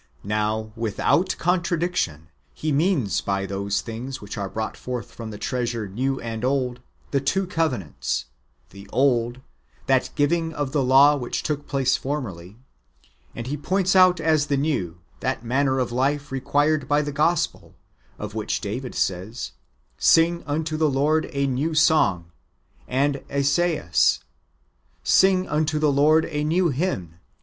"^ Now, without contradiction. He means by those things which are brought forth from the treasure new and old, the two covenants ; the old, that giving of the law which took place formerly ; and He points out as the new, that manner of life required by the gospel, of which David says, " Sing unto the Lord a new song;"^ and Esaias, " Sing unto the Lord a new hymn.